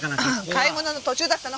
買い物の途中だったの。